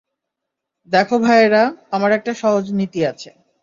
দেখো ভাইয়েরা, আমার একটা সহজ নীতি আছে।